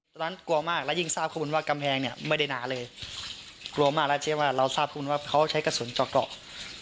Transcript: ตอนนั้นกลัวมากแล้วยิ่งทราบข้อมูลว่ากำแพงเนี่ยไม่ได้หนาเลยกลัวมากแล้วเชื่อว่าเราทราบคุณว่าเขาใช้กระสุนเจาะเกาะ